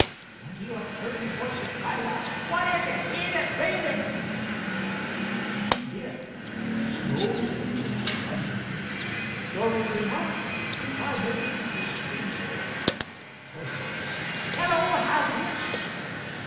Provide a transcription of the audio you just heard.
Twenty or thirty voices cried out "What is it? Read it! read it!" And he did slowly, and wondering: "'The remark which I made to the stranger [Voices. "Hello! how's this?"